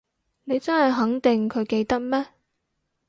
你真係肯定佢記得咩？